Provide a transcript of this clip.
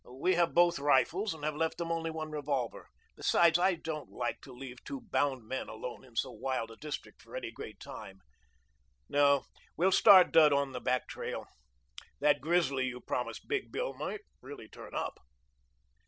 We have both rifles and have left them only one revolver. Besides, I don't like to leave two bound men alone in so wild a district for any great time. No, we'll start Dud on the back trail. That grizzly you promised Big Bill might really turn up."